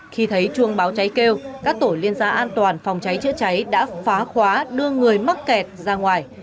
khi thấy chuông báo cháy kêu các tổ liên gia an toàn phòng cháy chữa cháy đã phá khóa đưa người mắc kẹt ra ngoài